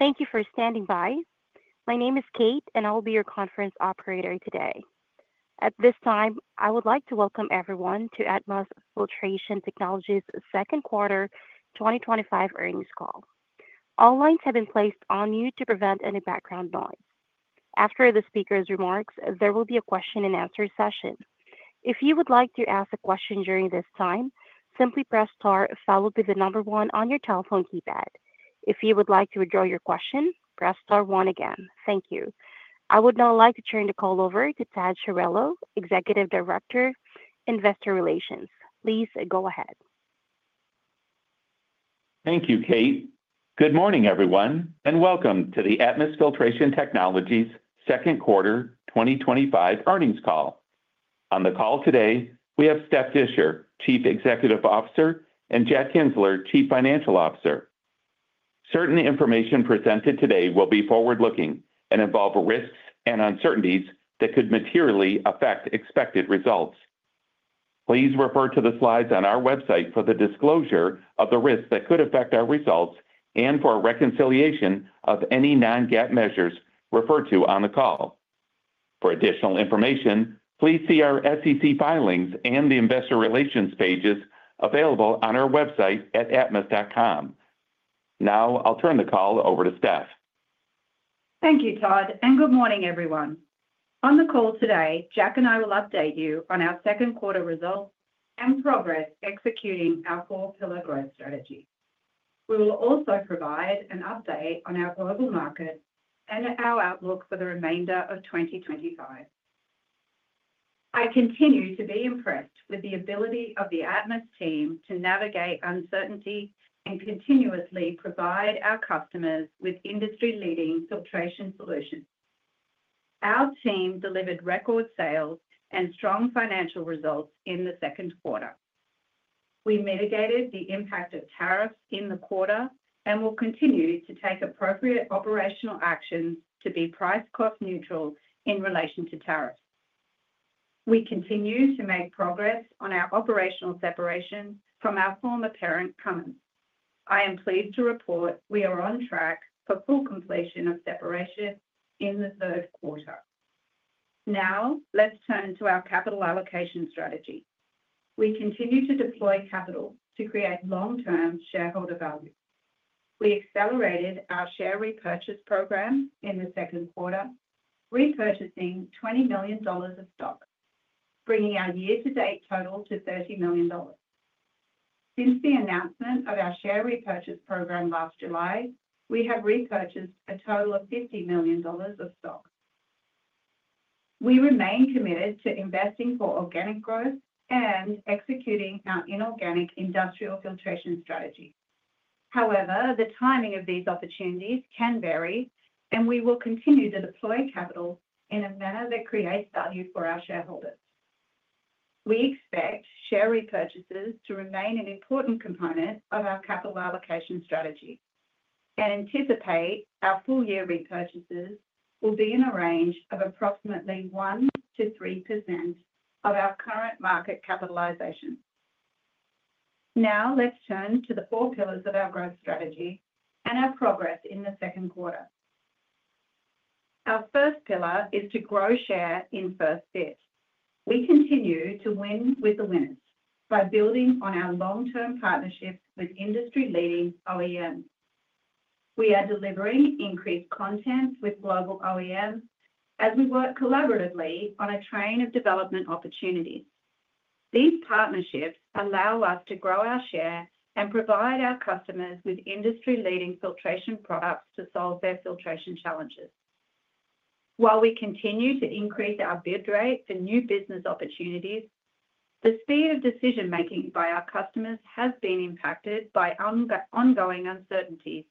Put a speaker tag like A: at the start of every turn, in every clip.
A: Thank you for standing by. My name is Kate, and I will be your conference operator today. At this time, I would like to welcome everyone to Atmus Filtration Technologies' second quarter 2025 earnings call. All lines have been placed on mute to prevent any background noise. After the speaker's remarks, there will be a question-and-answer session. If you would like to ask a question during this time, simply press star followed by the number one on your telephone keypad. If you would like to withdraw your question, press star one again. Thank you. I would now like to turn the call over to Todd Chirillo, Executive Director, Investor Relations. Please go ahead.
B: Thank you, Kate. Good morning, everyone, and welcome to the Atmus Filtration Technologies' second quarter 2025 earnings call. On the call today, we have Stephanie Disher, Chief Executive Officer, and Jack Kienzler, Chief Financial Officer. Certain information presented today will be forward-looking and involve risks and uncertainties that could materially affect expected results. Please refer to the slides on our website for the disclosure of the risks that could affect our results and for reconciliation of any non-GAAP measures referred to on the call. For additional information, please see our SEC filings and the Investor Relations pages available on our website at atmus.com. Now, I'll turn the call over to Stephanie.
C: Thank you, Todd, and good morning, everyone. On the call today, Jack and I will update you on our second quarter results and progress executing our four-pillar growth strategy. We will also provide an update on our global market and our outlook for the remainder of 2025. I continue to be impressed with the ability of the Atmus team to navigate uncertainty and continuously provide our customers with industry-leading filtration solutions. Our team delivered record sales and strong financial results in the second quarter. We mitigated the impact of tariffs in the quarter and will continue to take appropriate operational actions to be price cost neutral in relation to tariffs. We continue to make progress on our operational separation from our former parent, Cummins. I am pleased to report we are on track for full completion of separation in the third quarter. Now, let's turn to our capital allocation strategy. We continue to deploy capital to create long-term shareholder value. We accelerated our share repurchase program in the second quarter, repurchasing $20 million of stock, bringing our year-to-date total to $30 million. Since the announcement of our share repurchase program last July, we have repurchased a total of $50 million of stock. We remain committed to investing for organic growth and executing our inorganic industrial filtration strategy. However, the timing of these opportunities can vary, and we will continue to deploy capital in a manner that creates value for our shareholders. We expect share repurchases to remain an important component of our capital allocation strategy and anticipate our full-year repurchases will be in a range of approximately 1%-3% of our current market capitalization. Now, let's turn to the four pillars of our growth strategy and our progress in the second quarter. Our first pillar is to grow share in first fit. We continue to win with the wins by building on our long-term partnerships with industry-leading OEMs. We are delivering increased contents with global OEMs as we work collaboratively on a train of development opportunities. These partnerships allow us to grow our share and provide our customers with industry-leading filtration products to solve their filtration challenges. While we continue to increase our bid rate for new business opportunities, the speed of decision-making by our customers has been impacted by ongoing uncertainties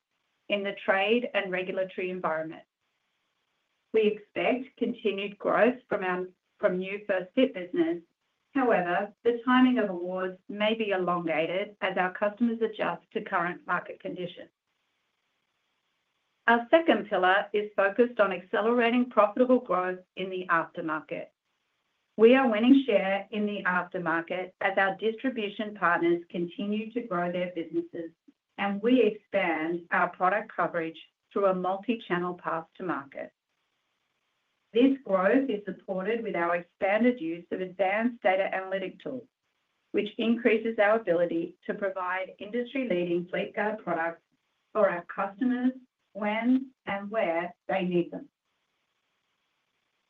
C: in the trade and regulatory environment. We expect continued growth from our new first-fit business. However, the timing of awards may be elongated as our customers adjust to current market conditions. Our second pillar is focused on accelerating profitable growth in the aftermarket. We are winning share in the aftermarket as our distribution partners continue to grow their businesses, and we expand our product coverage through a multi-channel path to market. This growth is supported with our expanded use of advanced data analytic tools, which increases our ability to provide industry-leading Fleetguard products for our customers when and where they need them.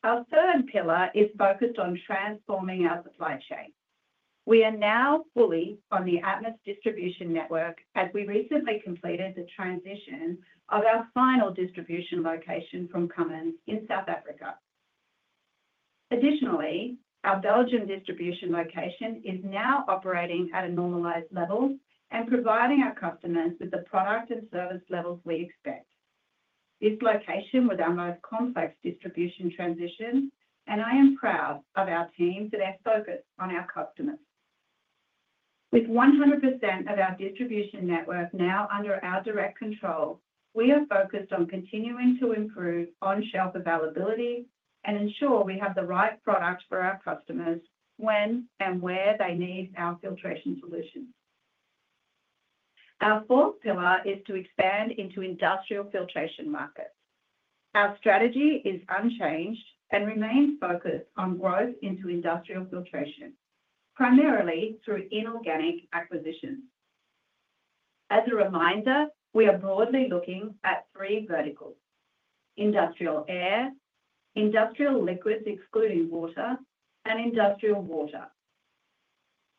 C: Our third pillar is focused on transforming our supply chain. We are now fully on the Atmus distribution network as we recently completed the transition of our final distribution location from Cummins in South Africa. Additionally, our Belgium distribution location is now operating at a normalized level and providing our customers with the product and service levels we expect. This location was our most complex distribution transition, and I am proud of our team for their focus on our customers. With 100% of our distribution network now under our direct control, we are focused on continuing to improve on-shelf availability and ensure we have the right product for our customers when and where they need our filtration solutions. Our fourth pillar is to expand into industrial filtration markets. Our strategy is unchanged and remains focused on growth into industrial filtration, primarily through inorganic acquisitions. As a reminder, we are broadly looking at three verticals: industrial air, industrial liquids excluding water, and industrial water.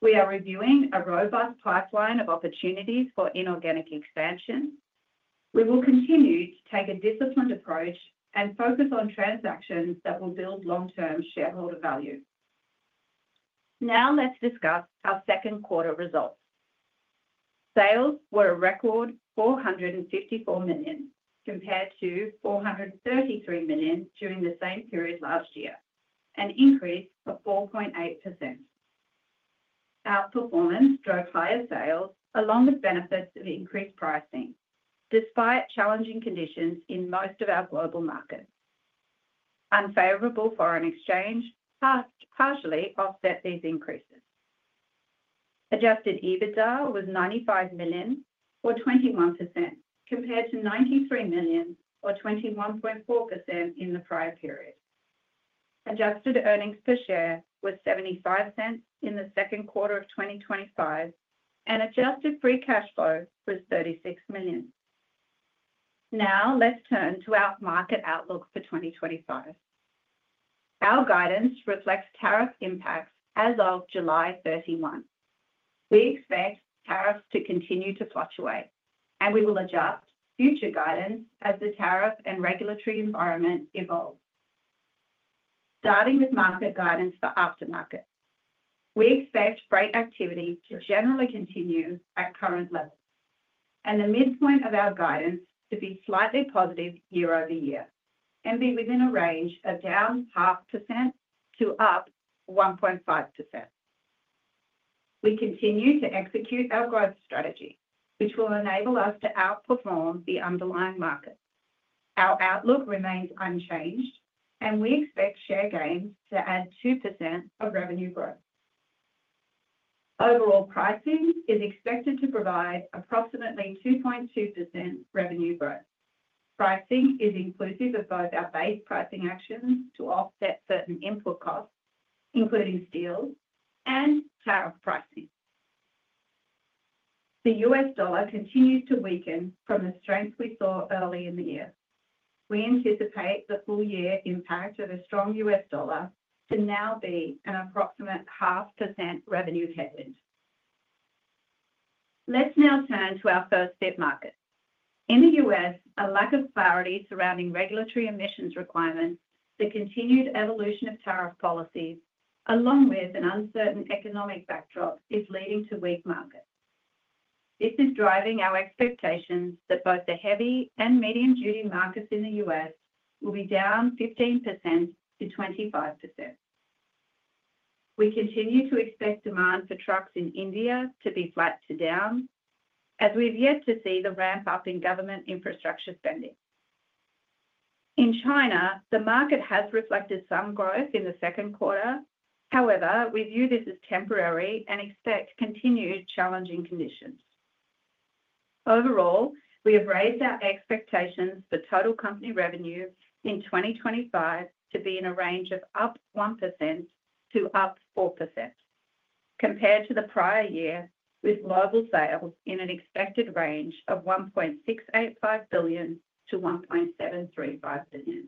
C: We are reviewing a robust pipeline of opportunities for inorganic expansion. We will continue to take a disciplined approach and focus on transactions that will build long-term shareholder value. Now, let's discuss our second quarter results. Sales were a record $454 million compared to $433 million during the same period last year, an increase of 4.8%. Our performance drove higher sales along with benefits of increased pricing despite challenging conditions in most of our global markets. Unfavorable foreign exchange partially offset these increases. Adjusted EBITDA was $95 million or 21% compared to $93 million or 21.4% in the prior period. Adjusted EPS was $0.75 in the second quarter of 2025, and adjusted free cash flow was $36 million. Now, let's turn to our market outlook for 2025. Our guidance reflects tariff impacts as of July 31. We expect tariffs to continue to fluctuate, and we will adjust future guidance as the tariff and regulatory environment evolves. Starting with market guidance for aftermarket, we expect freight activity to generally continue at current levels, and the midpoint of our guidance to be slightly positive year-over-year and be within a range of down 0.5% to up 1.5%. We continue to execute our growth strategy, which will enable us to outperform the underlying market. Our outlook remains unchanged, and we expect share gains to add 2% of revenue growth. Overall pricing is expected to provide approximately 2.2% revenue growth. Pricing is inclusive of both our base pricing actions to offset certain input costs, including steel and tariff pricing. The U.S. dollar continues to weaken from the strength we saw early in the year. We anticipate the full year impact of a strong U.S. dollar to now be an approximate 0.5% revenue headwind. Let's now turn to our first-fit market. In the U.S., a lack of clarity surrounding regulatory emissions requirements, the continued evolution of tariff policies, along with an uncertain economic backdrop, is leading to weak markets. This is driving our expectations that both the heavy and medium-duty markets in the U.S. will be down 15%-25%. We continue to expect demand for trucks in India to be flat to down, as we have yet to see the ramp-up in government infrastructure spending. In China, the market has reflected some growth in the second quarter; however, we view this as temporary and expect continued challenging conditions. Overall, we have raised our expectations for total company revenue in 2025 to be in a range of up 1% to up 4% compared to the prior year, with global sales in an expected range of $1.685 billion-$1.735 billion.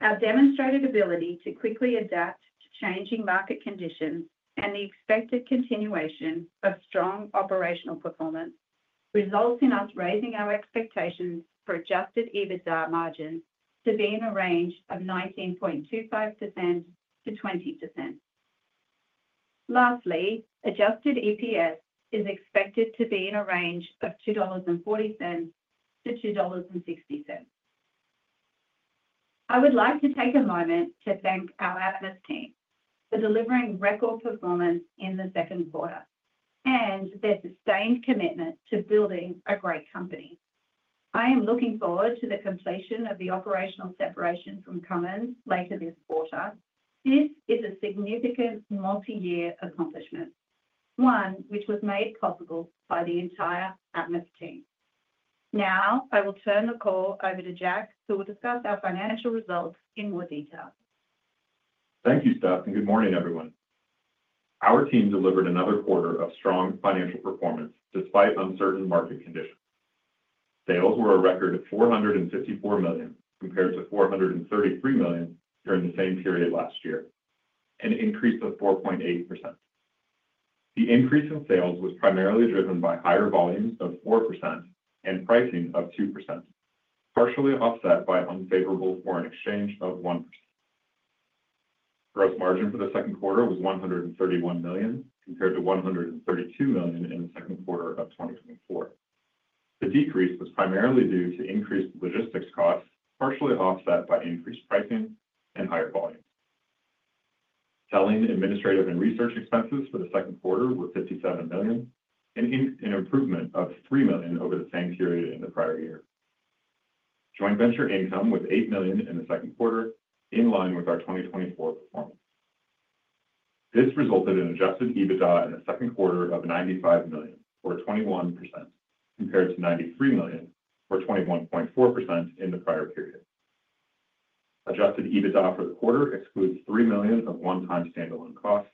C: Our demonstrated ability to quickly adapt to changing market conditions and the expected continuation of strong operational performance result in us raising our expectations for Adjusted EBITDA margin to be in a range of 19.25%-20%. Lastly, adjusted EPS is expected to be in a range of $2.40-$2.60. I would like to take a moment to thank our Atmus team for delivering record performance in the second quarter and their sustained commitment to building a great company. I am looking forward to the completion of the operational separation from Cummins later this quarter. This is a significant multi-year accomplishment, one which was made possible by the entire Atmus team. Now, I will turn the call over to Jack, who will discuss our financial results in more detail.
D: Thank you, Steph, and good morning, everyone. Our team delivered another quarter of strong financial performance despite uncertain market conditions. Sales were a record of $454 million compared to $433 million during the same period last year, an increase of 4.8%. The increase in sales was primarily driven by higher volumes of 4% and pricing of 2%, partially offset by unfavorable foreign exchange of 1%. Gross margin for the second quarter was $131 million compared to $132 million in the second quarter of 2024. The decrease was primarily due to increased logistics costs, partially offset by increased pricing and higher volume. Selling, administrative, and research expenses for the second quarter were $57 million, an improvement of $3 million over the same period in the prior year. Joint venture income was $8 million in the second quarter, in line with our 2024 performance. This resulted in Adjusted EBITDA in the second quarter of $95 million, or 21%, compared to $93 million, or 21.4% in the prior period. Adjusted EBITDA for the quarter excludes $3 million of one-time standalone costs.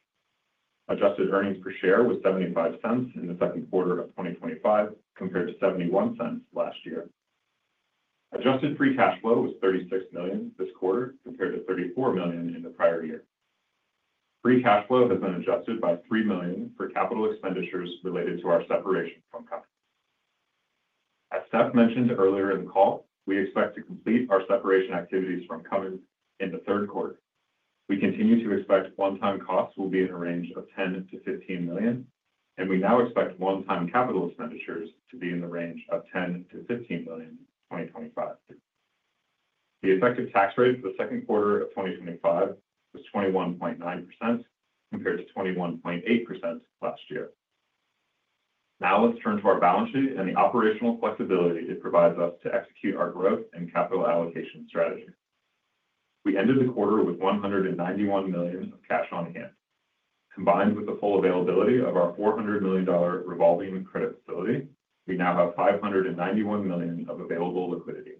D: Adjusted EPS was $0.75 in the second quarter of 2025, compared to $0.71 last year. Adjusted free cash flow was $36 million this quarter, compared to $34 million in the prior year. Free cash flow has been adjusted by $3 million for capital expenditures related to our separation from Cummins. As Steph mentioned earlier in the call, we expect to complete our separation activities from Cummins in the third quarter. We continue to expect one-time costs will be in a range of $10 million-$15 million, and we now expect one-time capital expenditures to be in the range of $10 million-$15 million in 2025. The effective tax rate for the second quarter of 2025 was 21.9%, compared to 21.8% last year. Now, let's turn to our balance sheet and the operational flexibility it provides us to execute our growth and capital allocation strategy. We ended the quarter with $191 million of cash on hand. Combined with the full availability of our $400 million revolving credit facility, we now have $591 million of available liquidity.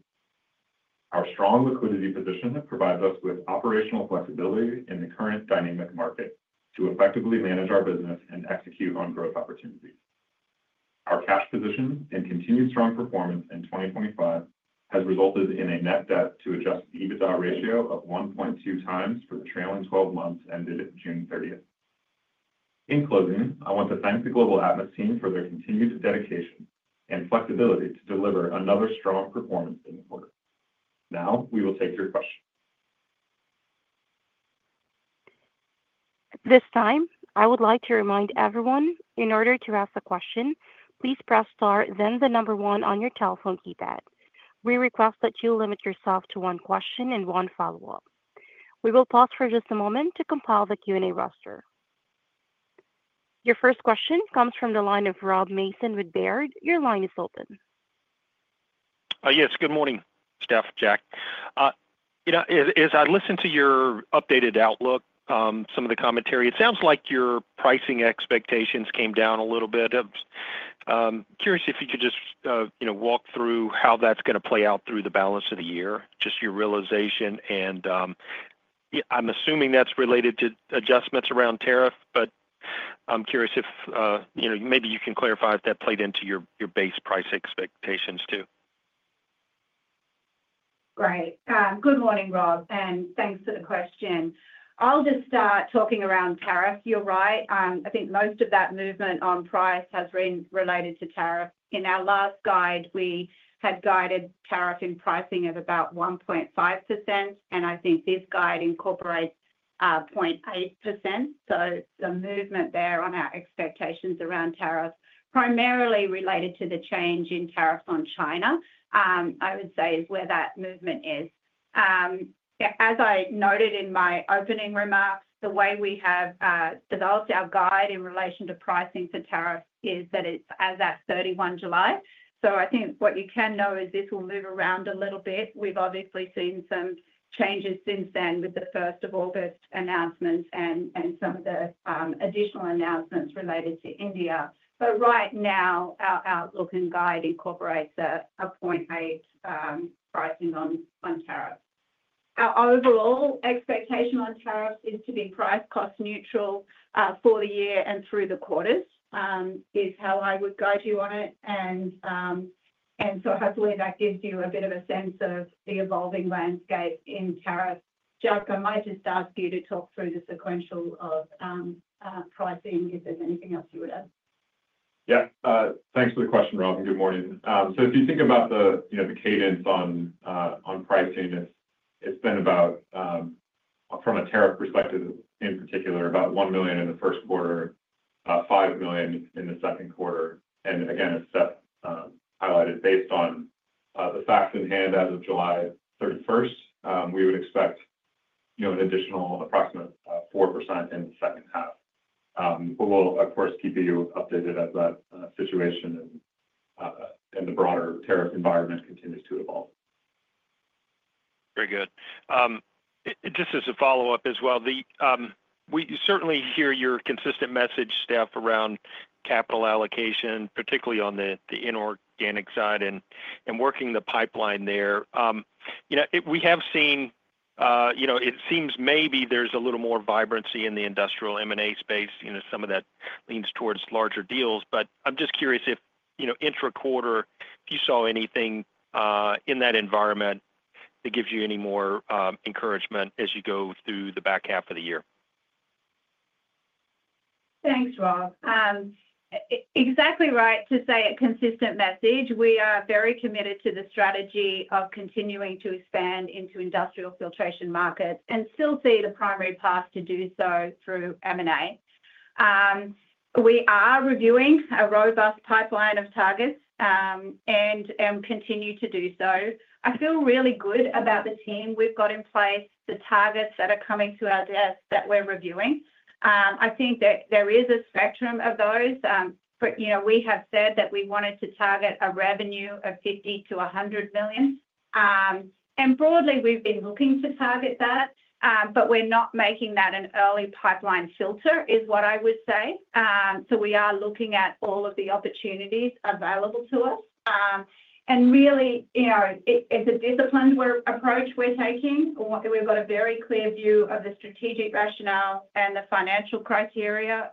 D: Our strong liquidity position provides us with operational flexibility in the current dynamic market to effectively manage our business and execute on growth opportunities. Our cash position and continued strong performance in 2025 have resulted in a net debt-to-Adjusted EBITDA ratio of 1.2 times for the trailing 12 months ended June 30. In closing, I want to thank the global Atmus team for their continued dedication and flexibility to deliver another strong performance in the quarter. Now, we will take your questions.
A: At this time, I would like to remind everyone, in order to ask a question, please press star, then the number one on your telephone keypad. We request that you limit yourself to one question and one follow-up. We will pause for just a moment to compile the Q&A roster. Your first question comes from the line of Robert W. Mason with Baird. Your line is open.
E: Yes, good morning, Steph, Jack. As I listened to your updated outlook, some of the commentary, it sounds like your pricing expectations came down a little bit. I'm curious if you could just walk through how that's going to play out through the balance of the year, just your realization. I'm assuming that's related to adjustments around tariff, but I'm curious if you can clarify if that played into your base price expectations too.
C: Great. Good morning, Rob, and thanks for the question. I'll just start talking around tariff. You're right. I think most of that movement on price has been related to tariff. In our last guide, we had guided tariff in pricing of about 1.5%, and I think this guide incorporates 0.8%. The movement there on our expectations around tariff, primarily related to the change in tariffs on China, I would say is where that movement is. As I noted in my opening remarks, the way we have developed our guide in relation to pricing for tariff is that it's as at July 31. I think what you can know is this will move around a little bit. We've obviously seen some changes since then with the August 1 announcements and some of the additional announcements related to India. Right now, our outlook and guide incorporates a 0.8% pricing on tariff. Our overall expectation on tariffs is to be price cost neutral for the year and through the quarters, is how I would guide you on it. Hopefully, that gives you a bit of a sense of the evolving landscape in tariff. Jack, I might just ask you to talk through the sequential of pricing if there's anything else you would add.
D: Yeah, thanks for the question, Rob, and good morning. If you think about the cadence on pricing, it's been about, from a tariff perspective in particular, about $1 million in the first quarter, $5 million in the second quarter. As Stephanie highlighted, based on the facts in hand as of July 31, we would expect an additional approximate 4% in the second half. We will, of course, keep you updated as that situation and the broader tariff environment continues to evolve.
E: Very good. Just as a follow-up as well, we certainly hear your consistent message, Steph, around capital allocation, particularly on the inorganic side and working the pipeline there. We have seen, it seems maybe there's a little more vibrancy in the industrial M&A space. Some of that leans towards larger deals, but I'm just curious if, intra-quarter, you saw anything in that environment that gives you any more encouragement as you go through the back half of the year.
C: Thanks, Rob. Exactly right to say a consistent message. We are very committed to the strategy of continuing to expand into the industrial filtration market and still see the primary path to do so through M&A. We are reviewing a robust pipeline of targets and continue to do so. I feel really good about the team we've got in place, the targets that are coming to our desk that we're reviewing. I think that there is a spectrum of those, you know, we have said that we wanted to target a revenue of $50 million-$100 million. Broadly, we've been looking to target that, we're not making that an early pipeline filter, is what I would say. We are looking at all of the opportunities available to us. Really, you know, it's a disciplined approach we're taking. We've got a very clear view of the strategic rationale and the financial criteria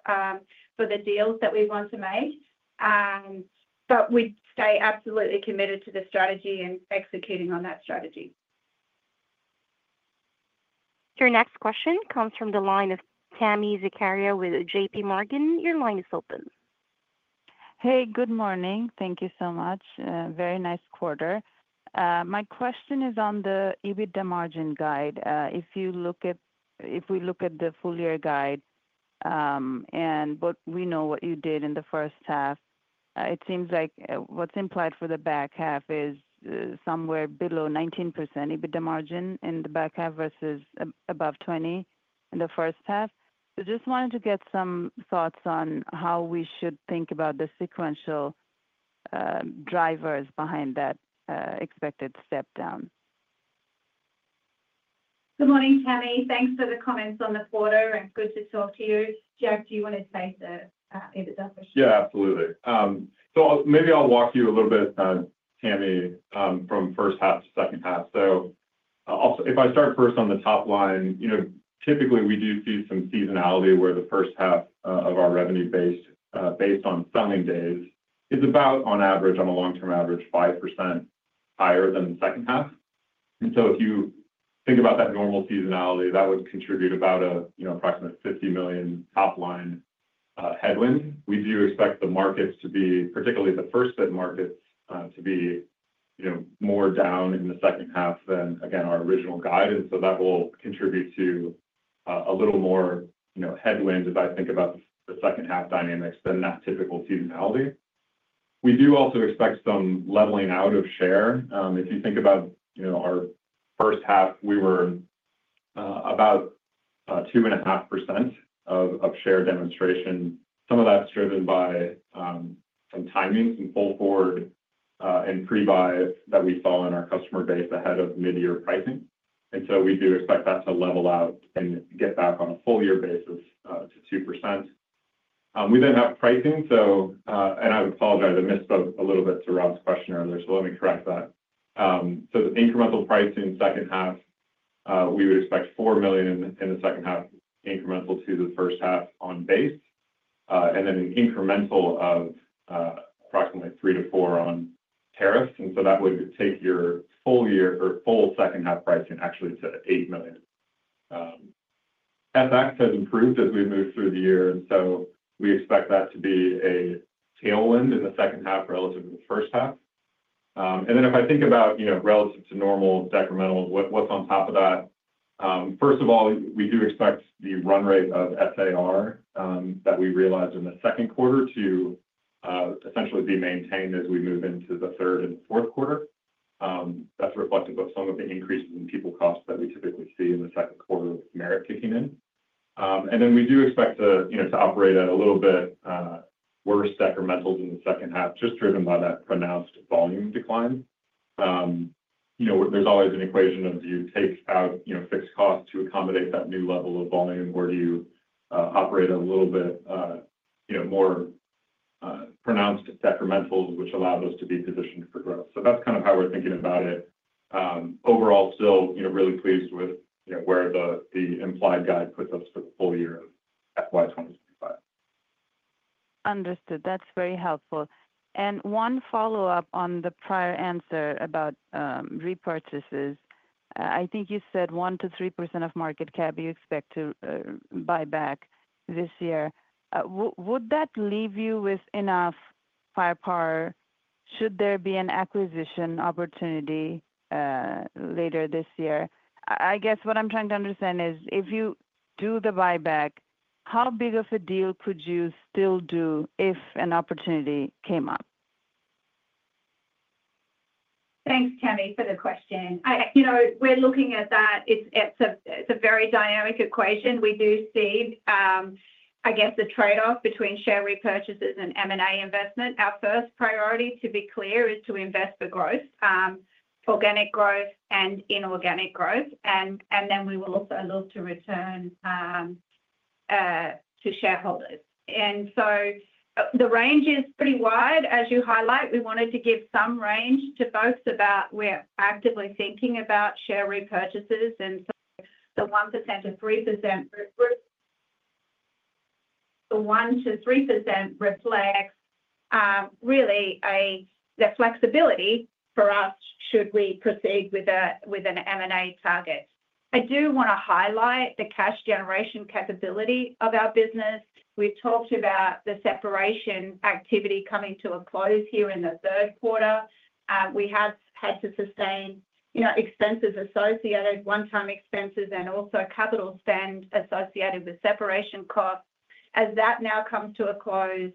C: for the deals that we want to make. We stay absolutely committed to the strategy and executing on that strategy.
A: Your next question comes from the line of Tami Zakaria with J.P. Morgan. Your line is open.
F: Hey, good morning. Thank you so much. Very nice quarter. My question is on the EBITDA margin guide. If you look at, if we look at the full-year guide and what we know what you did in the first half, it seems like what's implied for the back half is somewhere below 19% EBITDA margin in the back half versus above 20% in the first half. I just wanted to get some thoughts on how we should think about the sequential drivers behind that expected step down.
C: Good morning, Tami. Thanks for the comments on the quarter. It's good to talk to you. Jack, do you want to take the EBITDA question?
D: Yeah, absolutely. Maybe I'll walk you a little bit, Tami, from first half to second half. If I start first on the top line, you know, typically we do see some seasonality where the first half of our revenue base based on selling days is about, on average, on a long-term average, 5% higher than the second half. If you think about that normal seasonality, that would contribute about an approximate $50 million top line headwind. We do expect the markets to be, particularly the first-fit markets, to be more down in the second half than, again, our original guide. That will contribute to a little more headwind if I think about the second half dynamics than that typical seasonality. We do also expect some leveling out of share. If you think about our first half, we were about 2.5% of share demonstration. Some of that's driven by some timing and pull forward and pre-buy that we saw in our customer base ahead of mid-year pricing. We do expect that to level out and get back on a full-year basis to 2%. We then have pricing. I apologize, I missed a little bit to Rob's question earlier, so let me correct that. The incremental pricing second half, we would expect $4 million in the second half incremental to the first half on base, and then an incremental of approximately $3 million-$4 million on tariffs. That would take your full year or full second half pricing actually to $8 million. CapEx has improved as we move through the year, and we expect that to be a tailwind in the second half relative to the first half. If I think about, relative to normal decremental, what's on top of that? First of all, we do expect the run rate of SAR that we realized in the second quarter to essentially be maintained as we move into the third and fourth quarter. That's reflective of some of the increase in people costs that we typically see in the second quarter with merit kicking in. We do expect to operate in a little bit worse decremental than the second half, just driven by that pronounced volume decline. There's always an equation of you take out fixed costs to accommodate that new level of volume or you operate a little bit more pronounced decremental, which allows us to be positioned for growth. That's kind of how we're thinking about it. Overall, still, really pleased with where the implied guide puts us for the full year of quarters.
F: Understood. That's very helpful. One follow-up on the prior answer about repurchases. I think you said 1%-3% of market cap you expect to buy back this year. Would that leave you with enough firepower? Should there be an acquisition opportunity later this year, I guess what I'm trying to understand is if you do the buyback, how big of a deal could you still do if an opportunity came up?
C: Thanks, Tami, for the question. You know, we're looking at that. It's a very dynamic equation. We do see, I guess, the trade-off between share repurchases and M&A investment. Our first priority, to be clear, is to invest for growth, organic growth and inorganic growth. We will also look to return to shareholders. The range is pretty wide. As you highlight, we wanted to give some range to both about we're actively thinking about share repurchases and the 1%-3%. The 1%-3% reflects really the flexibility for us should we proceed with an M&A target. I do want to highlight the cash generation capability of our business. We've talked about the separation activity coming to a close here in the third quarter. We have had to sustain expenses associated, one-time expenses, and also capital spend associated with separation costs. As that now comes to a close,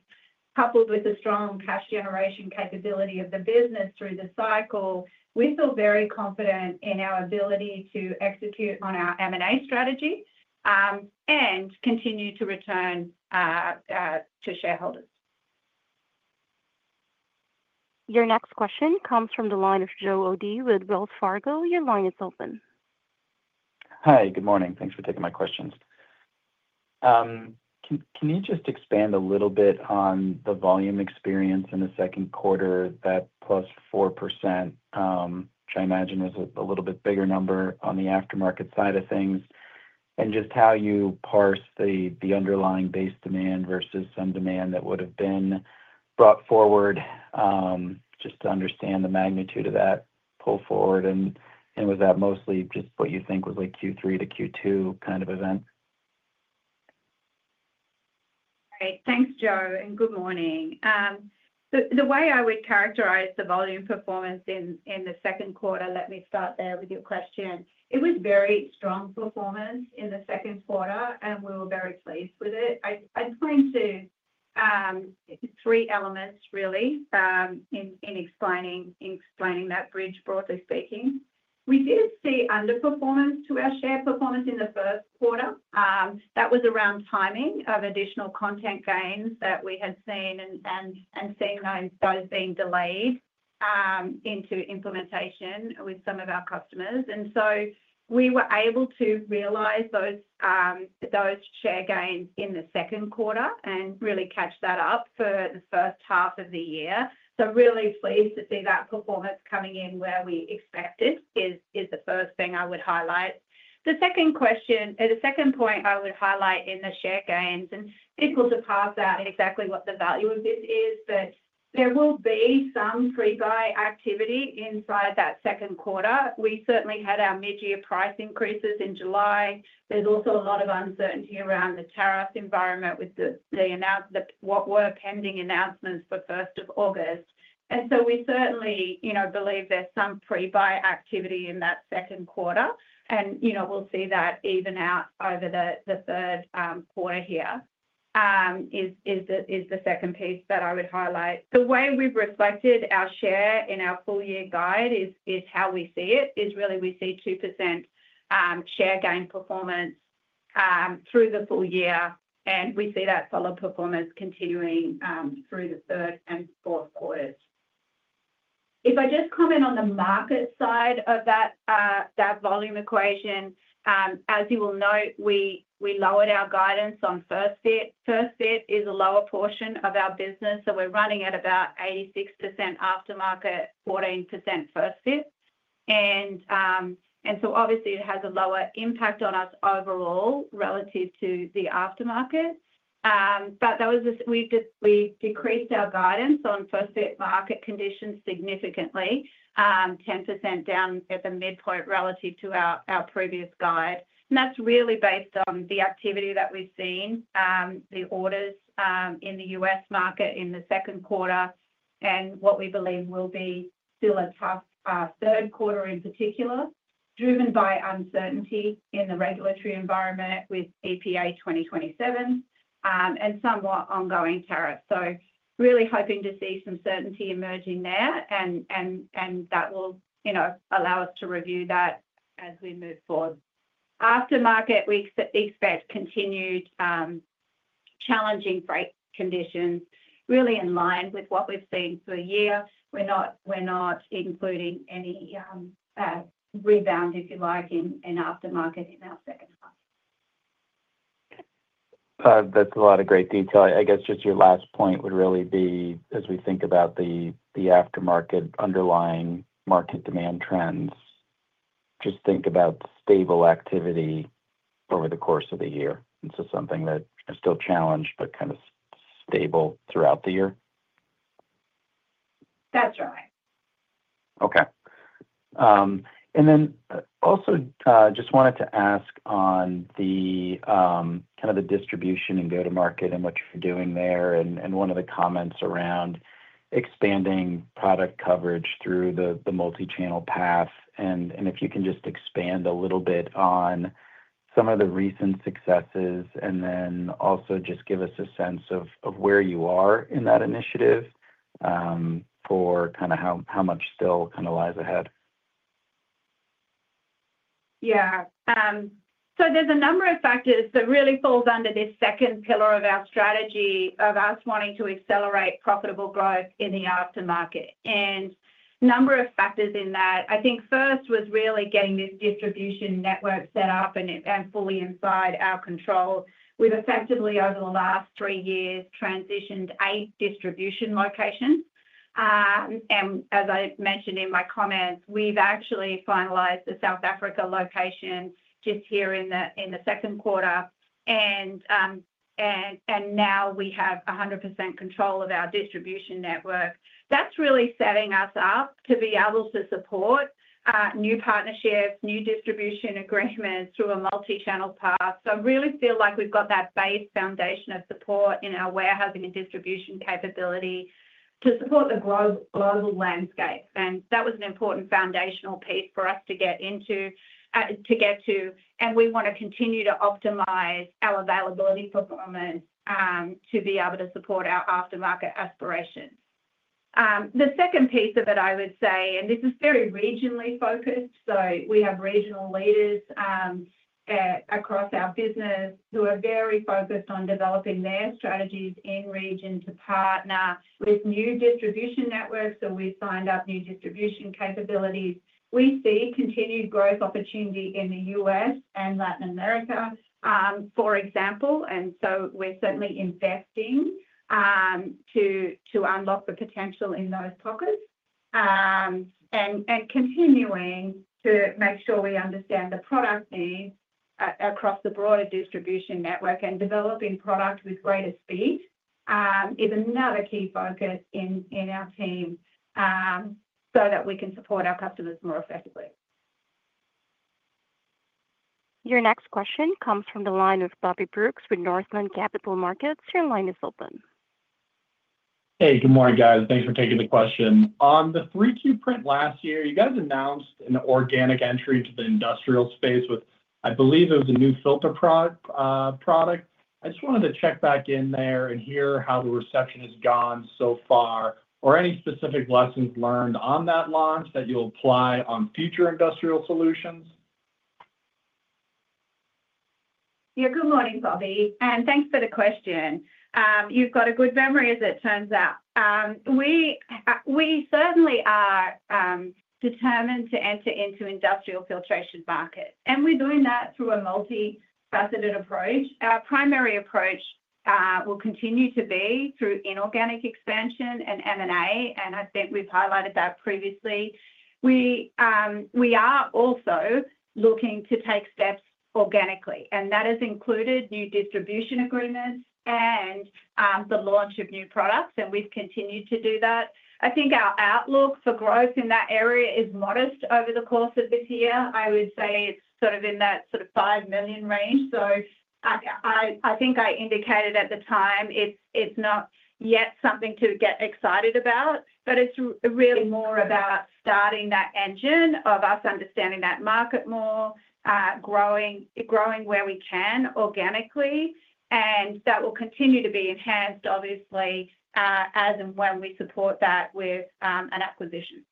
C: coupled with the strong cash generation capability of the business through the cycle, we feel very confident in our ability to execute on our M&A strategy and continue to return to shareholders.
A: Your next question comes from the line of Joseph John O'Dea with Wells Fargo. Your line is open.
G: Hi, good morning. Thanks for taking my questions. Can you just expand a little bit on the volume experience in the second quarter, that +4%? I imagine it's a little bit bigger number on the aftermarket side of things, and just how you parse the underlying base demand versus some demand that would have been brought forward, just to understand the magnitude of that pull forward. Was that mostly just what you think was like Q3 to Q2 kind of event?
C: All right, thanks, Joe, and good morning. The way I would characterize the volume performance in the second quarter, let me start there with your question. It was very strong performance in the second quarter, and we were very pleased with it. I'd point to three elements, really, in explaining that bridge, broadly speaking. We did see underperformance to our share performance in the first quarter. That was around timing of additional content gains that we had seen and seeing those being delayed into implementation with some of our customers. We were able to realize those share gains in the second quarter and really catch that up for the first half of the year. I'm really pleased to see that performance coming in where we expected, is the first thing I would highlight. The second point I would highlight in the share gains, and people should pass that exactly what the value of this is, but there will be some pre-buy activity inside that second quarter. We certainly had our mid-year price increases in July. There's also a lot of uncertainty around the tariff environment with the what were pending announcements for August 1. We certainly believe there's some pre-buy activity in that second quarter, and you know we'll see that even out over the third quarter here, is the second piece that I would highlight. The way we've reflected our share in our full-year guide is how we see it, is really we see 2% share gain performance through the full year, and we see that solid performance continuing through the third and fourth quarters. If I just comment on the market side of that volume equation, as you will note, we lowered our guidance on first fit. First fit is a lower portion of our business, so we're running at about 86% aftermarket, 14% first fit. It has a lower impact on us overall relative to the aftermarket. That was just we decreased our guidance on first fit market conditions significantly, 10% down at the midpoint relative to our previous guide. That's really based on the activity that we've seen, the orders in the U.S. market in the second quarter, and what we believe will be still a tough third quarter in particular, driven by uncertainty in the regulatory environment with EPA 2027 and somewhat ongoing tariffs. Really hoping to see some certainty emerging there, and that will, you know, allow us to review that as we move forward. Aftermarket, we expect continued challenging freight conditions, really in line with what we've seen for a year. We're not including any rebound, if you like, in aftermarket in our second half.
G: That's a lot of great detail. I guess just your last point would really be, as we think about the aftermarket underlying market demand trends, just think about stable activity over the course of the year, something that is still challenged but kind of stable throughout the year.
C: That's right.
G: Okay. I just wanted to ask on the kind of the distribution and go-to-market and what you're doing there, and one of the comments around expanding product coverage through the multi-channel path. If you can just expand a little bit on some of the recent successes, and also just give us a sense of where you are in that initiative for kind of how much still lies ahead.
C: Yeah. There are a number of factors that really fall under this second pillar of our strategy of us wanting to accelerate profitable growth in the aftermarket. A number of factors in that, I think first was really getting this distribution network set up and fully inside our control. We've effectively, over the last three years, transitioned eight distribution locations. As I mentioned in my comment, we've actually finalized the South Africa location just here in the second quarter. Now, we have 100% control of our distribution network. That's really setting us up to be able to support new partnerships, new distribution agreements through a multi-channel path. I really feel like we've got that base foundation of support in our warehousing and distribution capability to support the global landscape. That was an important foundational piece for us to get into, to get to. We want to continue to optimize our availability performance to be able to support our aftermarket aspirations. The second piece of it, I would say, and this is very regionally focused. We have regional leaders across our business who are very focused on developing their strategies in region to partner with new distribution networks. We've signed up new distribution capabilities. We see continued growth opportunity in the U.S. and Latin America, for example. We're certainly investing to unlock the potential in those pockets. Continuing to make sure we understand the product needs across the broader distribution network and developing products with greater speed is another key focus in our team so that we can support our customers more effectively.
A: Your next question comes from the line of Bobby Brooks with Northland Capital Markets. Your line is open.
H: Hey, good morning, guys. Thanks for taking the question. On the 3Q print last year, you guys announced an organic entry into the industrial space with, I believe, it was a new filter product. I just wanted to check back in there and hear how the reception has gone so far or any specific lessons learned on that launch that you'll apply on future industrial solutions.
C: Yeah, good morning, Bobby, and thanks for the question. You've got a good memory, as it turns out. We certainly are determined to enter into industrial filtration markets, and we're doing that through a multifaceted approach. Our primary approach will continue to be through inorganic expansion and M&A, and I think we've highlighted that previously. We are also looking to take steps organically, and that has included new distribution agreements and the launch of new products, and we've continued to do that. I think our outlook for growth in that area is modest over the course of this year. I would say it's sort of in that $5 million range. I think I indicated at the time, it's not yet something to get excited about, but it's really more about starting that engine of us understanding that market more, growing where we can organically, and that will continue to be enhanced, obviously, as and when we support that with an acquisition.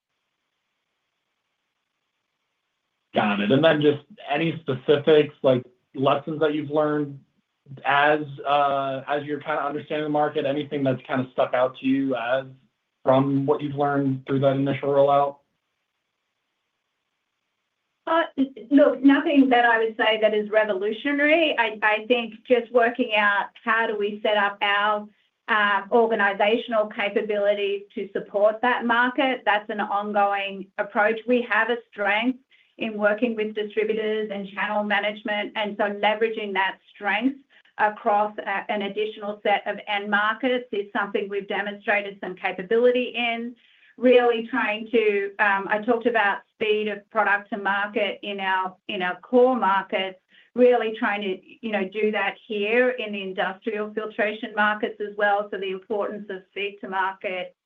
H: Got it. Any specifics, like lessons that you've learned as you're kind of understanding the market? Anything that's kind of stuck out to you as from what you've learned through that initial rollout?
C: No, nothing that I would say is revolutionary. I think just working out how we set up our organizational capability to support that market is an ongoing approach. We have a strength in working with distributors and channel management, and leveraging that strength across an additional set of end markets is something we've demonstrated some capability in. Really trying to, I talked about speed of product to market in our core markets, really trying to do that here in the industrial filtration markets as well. The importance of speed to market.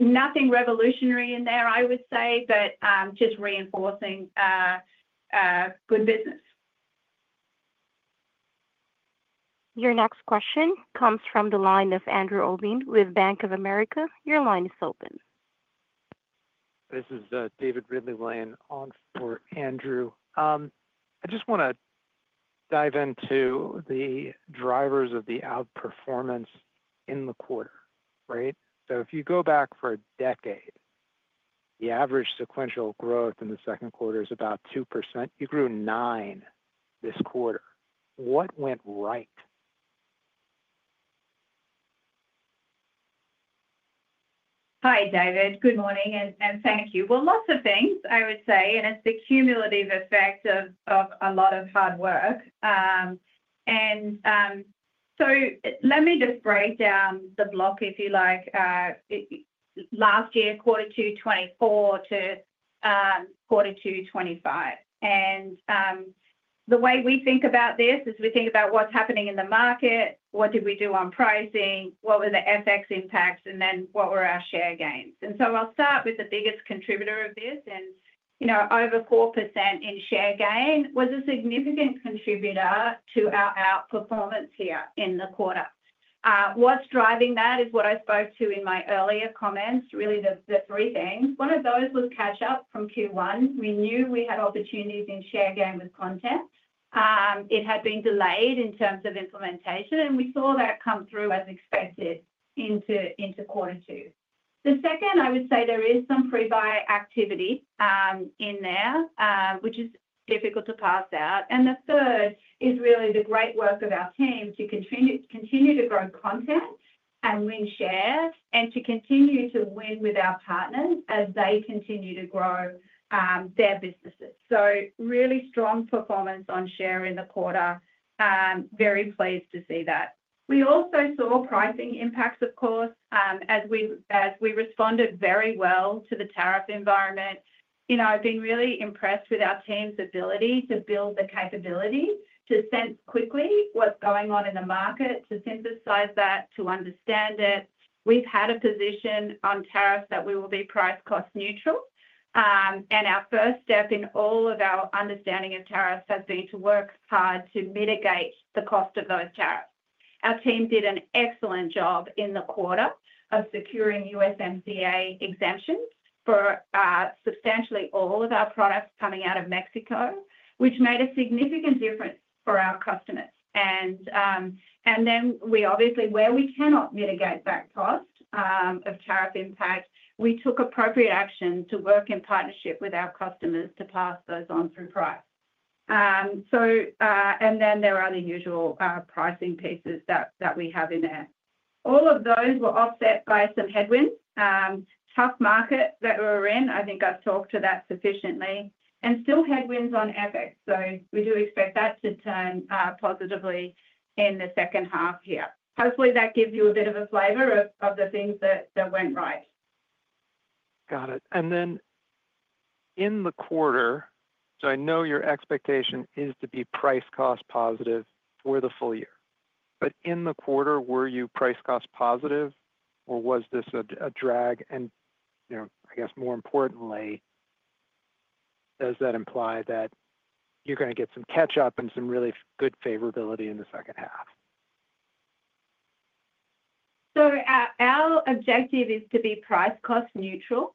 C: Nothing revolutionary in there, I would say, just reinforcing good business.
A: Your next question comes from the line of Andrew Ovine with Bank of America. Your line is open.
I: This is David Ridley-Lane on for Andrew. I just want to dive into the drivers of the outperformance in the quarter, right? If you go back for a decade, the average sequential growth in the second quarter is about 2%. You grew 9% this quarter. What went right?
C: Hi, David. Good morning, and thank you. Lots of things, I would say, and it's the cumulative effect of a lot of hard work. Let me just break down the block, if you like, last year, quarter 2 of 2024 to quarter 2 of 2025. The way we think about this is we think about what's happening in the market, what did we do on pricing, what were the FX impacts, and then what were our share gains. I'll start with the biggest contributor of this, and you know, over 4% in share gain was a significant contributor to our outperformance here in the quarter. What's driving that is what I spoke to in my earlier comments, really the three things. One of those was catch-up from Q1. We knew we had opportunities in share gain with content. It had been delayed in terms of implementation, and we saw that come through as expected into quarter two. The second, I would say, there is some pre-buy activity in there, which is difficult to parse out. The third is really the great work of our team to continue to grow content and win shares and to continue to win with our partners as they continue to grow their businesses. Really strong performance on share in the quarter. Very pleased to see that. We also saw pricing impacts, of course, as we responded very well to the tariff environment. I've been really impressed with our team's ability to build the capability to sense quickly what's going on in the market, to synthesize that, to understand it. We've had a position on tariffs that we will be price cost neutral, and our first step in all of our understanding of tariffs has been to work hard to mitigate the cost of those tariffs. Our team did an excellent job in the quarter of securing USMCA exemptions for substantially all of our products coming out of Mexico, which made a significant difference for our customers. Where we cannot mitigate that cost of tariff impact, we took appropriate action to work in partnership with our customers to pass those on through price. There are the usual pricing pieces that we have in there. All of those were offset by some headwinds, tough market that we're in. I think I've talked to that sufficiently and still headwinds on FX. We do expect that to turn positively in the second half here. Hopefully, that gives you a bit of a flavor of the things that went right.
I: Got it. In the quarter, I know your expectation is to be price cost positive for the full year. In the quarter, were you price cost positive or was this a drag? More importantly, does that imply that you're going to get some catch-up and some really good favorability in the second half?
C: Our objective is to be price cost neutral,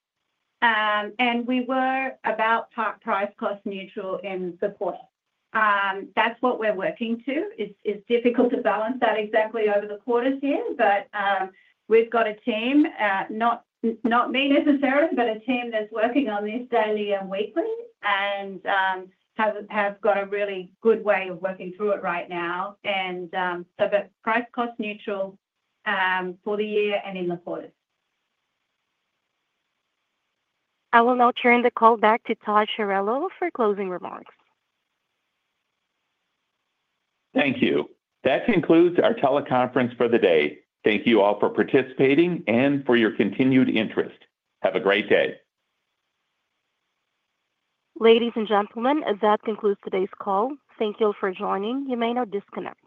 C: and we were about price cost neutral in the quarter. That's what we're working to. It's difficult to balance that exactly over the quarters, but we've got a team, not me necessarily, but a team that's working on this daily and weekly and have got a really good way of working through it right now. Price cost neutral for the year and in the quarter.
A: I will now turn the call back to Todd Chirillo for closing remarks.
B: Thank you. That concludes our teleconference for the day. Thank you all for participating and for your continued interest. Have a great day.
A: Ladies and gentlemen, that concludes today's call. Thank you all for joining. You may now disconnect.